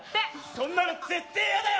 そんなの絶対やだよ！